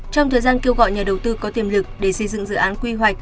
trong thời gian kêu gọi nhà đầu tư có tiềm lực để xây dựng dự án quy hoạch